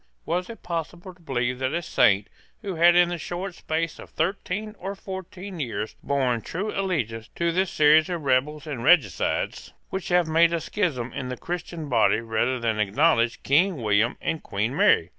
Was it possible to believe that a saint, who had, in the short space of thirteen or fourteen years, borne true allegiance to this series of rebels and regicides, would have made a schism in the Christian body rather than acknowledge King William and Queen Mary?